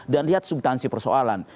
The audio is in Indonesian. dan lihat subtansi persoalan